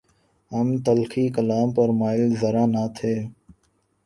ہم تلخیِ کلام پہ مائل ذرا نہ تھے